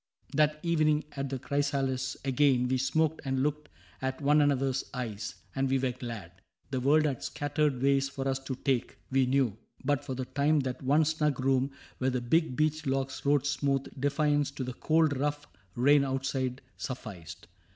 That evening, at *' The Chrysalis *' again. We smoked and looked at one another's eyes. And we were glad. The world had scattered ways For us to take, we knew ; but for the time That one snug room where the big beech logs roared smooth Defiance to the cold rough rain outside Sufficed.